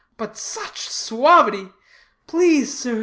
But, such suavity! 'Please sir!